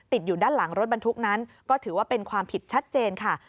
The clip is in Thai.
ติดอยู่ด้านหลังรถบรรทุกนั้นก็ถือว่าเป็นความผิดชัดเจนค่ะ